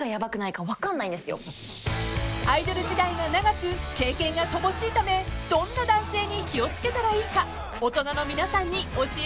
［アイドル時代が長く経験が乏しいためどんな男性に気を付けたらいいか大人の皆さんに教えてほしいそうです］